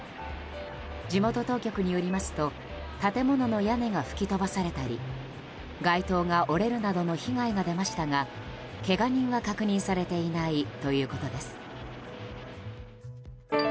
地元当局によりますと建物の屋根が吹き飛ばされたり街灯が折れるなどの被害が出ましたがけが人は確認されていないということです。